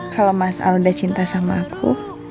kalau mas al udah cinta sama aku